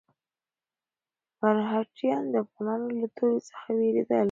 مرهټیان د افغانانو له تورې څخه وېرېدل.